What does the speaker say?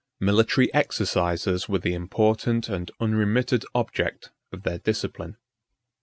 36 Military exercises were the important and unremitted object of their discipline.